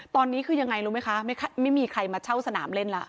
ตอนนี้คือยังไงรู้ไหมคะไม่มีใครมาเช่าสนามเล่นแล้ว